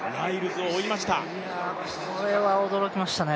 これは驚きましたね。